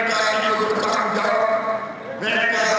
tapi hebatnya media media yang